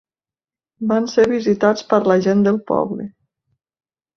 Van ser visitats per la gent del poble.